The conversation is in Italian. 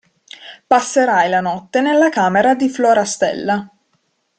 Passerai la notte nella camera di Florastella.